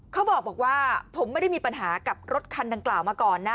เขาบอกว่าผมไม่ได้มีปัญหากับรถคันดังกล่าวมาก่อนนะ